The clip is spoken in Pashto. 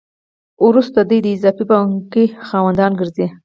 وروسته دوی د اضافي پانګې خاوندان ګرځي